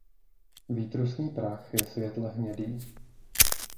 Výtrusný prach je světle hnědý.